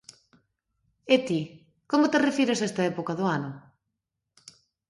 E ti, como te refires a esta época do ano?